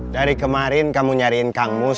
dari kemarin kamu nyariin kamus